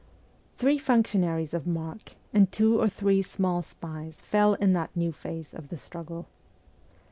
Three functionaries of mark and two or three small spies fell in that new phase of the struggle.